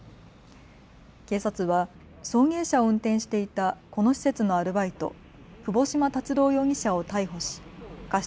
警察は送迎車を運転していたこの施設のアルバイト、窪島達郎容疑者を逮捕し過失